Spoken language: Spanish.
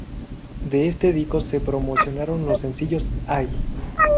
De este disco se promocionaron los sencillos "Ay!